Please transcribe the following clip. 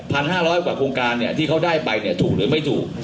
ห้าร้อยกว่าโครงการเนี่ยที่เขาได้ไปเนี่ยถูกหรือไม่ถูก